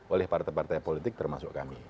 oleh partai partai politik termasuk kami